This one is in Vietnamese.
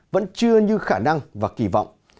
vẫn chưa như khả năng và kỳ vọng